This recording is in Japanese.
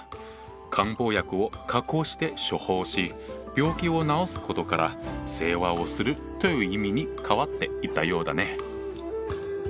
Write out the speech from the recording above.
漢方薬を加工して処方し病気を治すことから世話をするという意味に変わっていったようだね。